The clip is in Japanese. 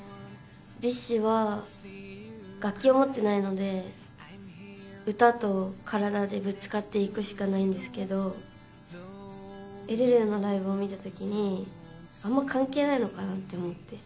ＢｉＳＨは楽器を持ってないので歌と体でぶつかっていくしかないんですけどエルレのライブを見た時にあんま関係ないのかなって思って。